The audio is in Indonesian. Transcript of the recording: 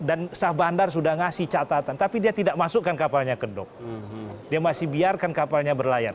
dan sah bandar sudah ngasih catatan tapi dia tidak masukkan kapalnya ke dok dia masih biarkan kapalnya berlayar